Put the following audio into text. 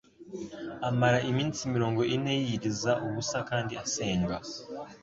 Amara iminsi mirongo ine yiyiriza ubusa kandi asenga.